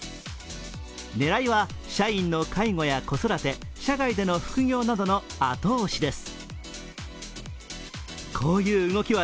狙いは社員の介護や子育て、社外での副業などの後押しです。